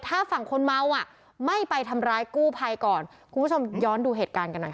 ถ้าฝั่งคนเมาอ่ะไม่ไปทำร้ายกู้ภัยก่อนคุณผู้ชมย้อนดูเหตุการณ์กันหน่อยค่ะ